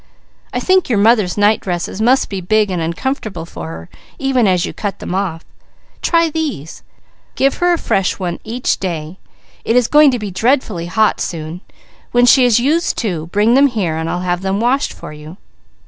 I think your mother's night dresses must be big and uncomfortable for her, even as you cut them off. Try these. Give her a fresh one each day. It is going to be dreadfully hot soon. When she has used two, bring them here and I'll have them washed for you."